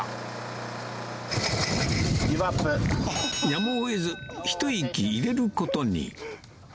やむをえず一息入れることに。